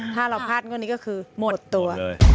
ถ้าเราพลาดงวดนี้ก็คือหมดตัว